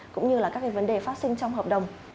cũng như là các cái vấn đề phát sinh trong hợp đồng